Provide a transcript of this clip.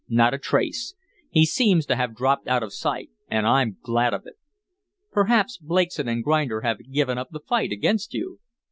"Not a trace. He seems to have dropped out of sight, and I'm glad of it." "Perhaps Blakeson & Grinder have given up the fight against you."